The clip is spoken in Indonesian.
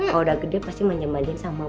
kalo udah gede pasti menyembalin sama mamanya